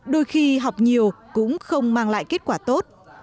đôi khi học nhiều cũng không mang lại kết quả tốt